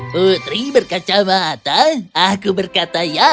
putri berkacamata aku berkata ya